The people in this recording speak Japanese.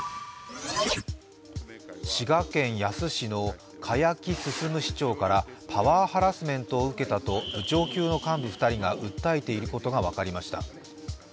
滋賀県野洲市の栢木進市長からパワーハラスメントを受けたと部長級幹部２人が訴えていることが分かりました。